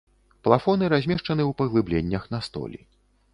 Плафоны размешчаны ў паглыбленнях на столі.